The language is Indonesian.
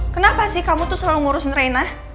kenapa sih kamu masih ngotot aja